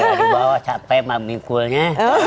nggak dibawa capek mami coolnya